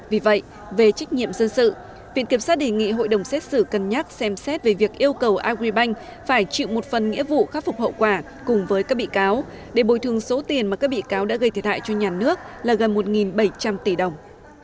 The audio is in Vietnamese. vì vậy về trách nhiệm dân sự viện kiểm sát đề nghị hội đồng xét xử cân nhắc xem xét về việc yêu cầu agribank phải chịu một phần nghĩa vụ khắc phục hậu quả cùng với các bị cáo để bồi thường số tiền mà các bị cáo đã gây thiệt hại cho nhà nước là gần một bảy trăm linh tỷ đồng